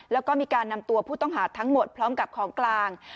แล้วก็มีการนำตัวผู้ต้องหาทั้งหมดพร้อมกับของกลาง